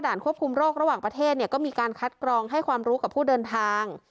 ควบคุมโรคระหว่างประเทศเนี่ยก็มีการคัดกรองให้ความรู้กับผู้เดินทาง